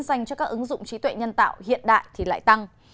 dành cho các ứng dụng trí tuệ nhân tạo hiện đại thì lại tăng